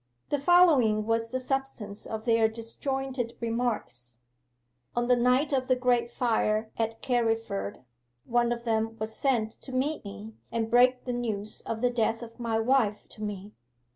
'The following was the substance of their disjointed remarks: On the night of the great fire at Carriford, one of them was sent to meet me, and break the news of the death of my wife to me.